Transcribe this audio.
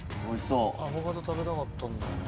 アボカド食べたかったんだよね。